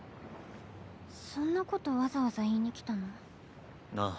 そんなことわざわざ言いに来たの。ああ。